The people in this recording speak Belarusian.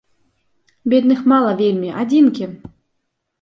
Бедных мала вельмі, адзінкі!